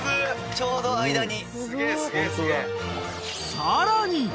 ちょうど間に。